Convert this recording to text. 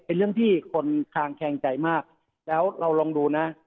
เป็นเรื่องที่คนคางแคงใจมากแล้วเราลองดูนะ